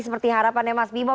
bener gak mas bimo